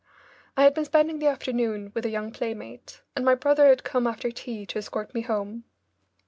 I had been spending the afternoon with a young playmate, and my brother had come after tea to escort me home.